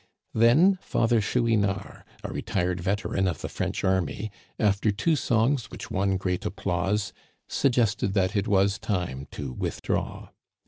Then Father Chouinard, a retired veteran of the French army, after two songs which won great applause, suggested that it was time to withdraw.